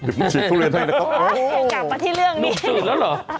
หยิบขึ้นถูเรียนไหนนะครับ